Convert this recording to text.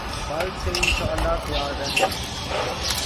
کل سے ان شاءاللہ تیار رہنا